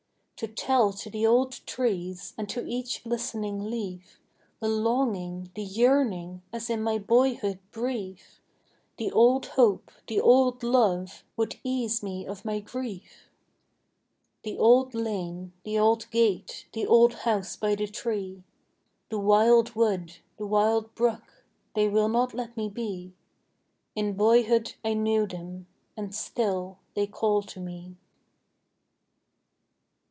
To tell to the old trees, and to each listening leaf, The longing, the yearning, as in my boyhood brief, The old hope, the old love, would ease me of my grief. The old lane, the old gate, the old house by the tree; The wild wood, the wild brook they will not let me be: In boyhood I knew them, and still they call to me.